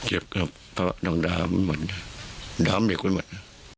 เจ็บครับเพราะน้องดามมันเหมือนน้องดามเหมือน